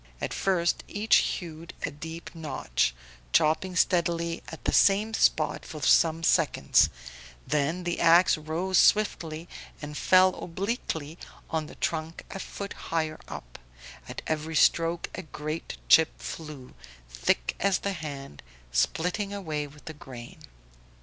At first each hewed a deep notch, chopping steadily at the same spot for some seconds, then the ax rose swiftly and fell obliquely on the trunk a foot higher up; at every stroke a great chip flew, thick as the hand, splitting away with the grain.